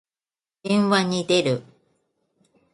電話に出る。